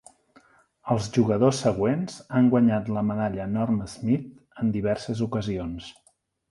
Els jugadors següents han guanyat la medalla Norm Smith en diverses ocasions.